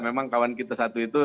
memang kawan kita satu itu